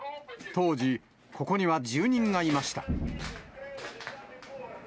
当時、ここには住人がいました。